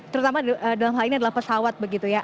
terutama dalam hal ini adalah pesawat begitu ya